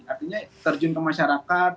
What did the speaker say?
artinya terjun ke masyarakat